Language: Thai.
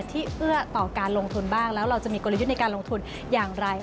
เอื้อต่อการลงทุนบ้างแล้วเราจะมีกลยุทธ์ในการลงทุนอย่างไร